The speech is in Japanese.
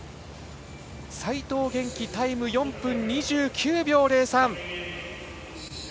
齋藤元希、タイム４分２９秒０３。